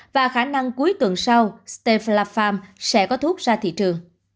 và khả năng cuối tuần sau stella farm sẽ có thuốc ra thị trường